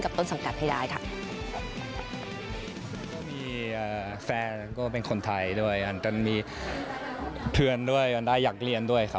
ต้นสังกัดให้ได้ค่ะ